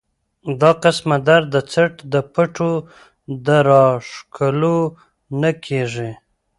دا قسمه درد د څټ د پټو د راښکلو نه کيږي